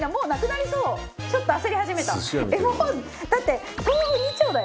もうだって豆腐２丁だよ。